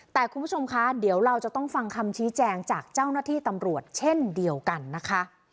แต่คุณผู้ชมคะเดี๋ยวเราจะต้องฟังคำชี้แจงจากเจ้าหน้าที่ตำรวจเช่นเดียวกันนะคะ